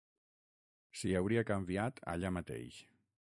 S'hi hauria canviat allà mateix.